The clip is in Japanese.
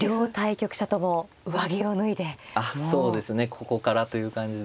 ここからという感じで。